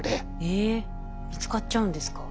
えっ見つかっちゃうんですか？